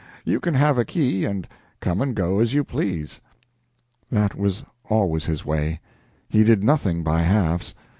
You can have a key and come and go as you please." That was always his way. He did nothing by halves.